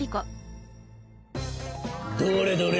どれどれ。